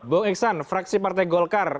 bu iksan fraksi partai golkar